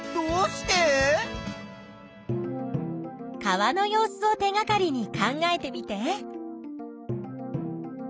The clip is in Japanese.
川の様子を手がかりに考えてみて。